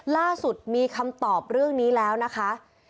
ล่าสุดมีคำตอบเรื่องนี้แล้วนะคะ